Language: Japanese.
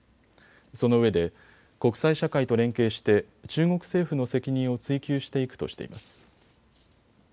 そのうえで国際社会と連携して中国政府の責任を追及していくとしています。